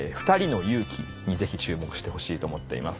にぜひ注目してほしいと思っています。